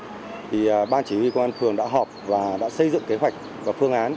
thì ban chỉ huy công an phường đã họp và đã xây dựng kế hoạch và phương án